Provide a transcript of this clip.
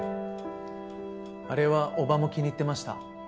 あれは叔母も気に入ってました。